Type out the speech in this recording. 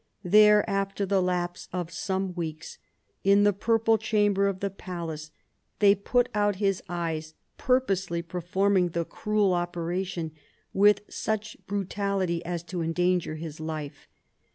There, after the lapse of some weeks, in the Purple Chamber of the palace, they put out his eyes, purposely perform ing the cruel operation with such brutality as to endanger his life.